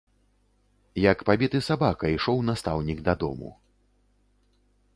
Як пабіты сабака, ішоў настаўнік дадому.